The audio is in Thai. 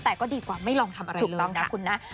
แต่ก็ดีกว่าไม่ลองทำอะไรเลยนะคุณนะ